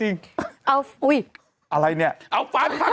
เป็นการกระตุ้นการไหลเวียนของเลือด